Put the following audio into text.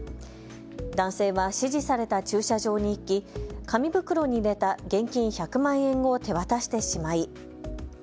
男性は指示された駐車場に行き紙袋に入れた現金１００万円を手渡してしまい。